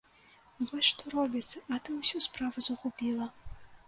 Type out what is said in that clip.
Вось што робіцца, а ты ўсю справу загубіла.